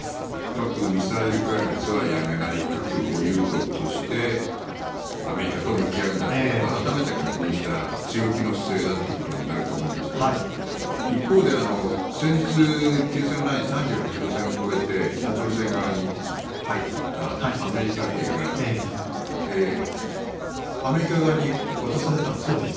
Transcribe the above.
核・ミサイル開発はやめない核保有国としてアメリカと向き合うんだということを改めて確認した強気の姿勢だということになると思うんですが一方で先日、３８度線を越えて北朝鮮側に入っていったアメリカ兵がアメリカ側に渡されたんです。